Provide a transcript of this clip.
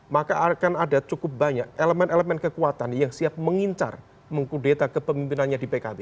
maka akan ada cukup banyak elemen elemen kekuatan yang siap mengincar mengkudeta kepemimpinannya di pkb